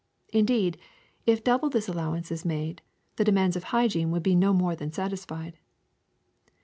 Indeed, if double this allowance is made, the demands of hygiene would be no more than satisfied.